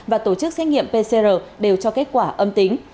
và tổ chức xét nghiệm pcr đều cho kết quả âm tính